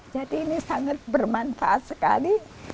jadi ini sangat bermanfaat sekali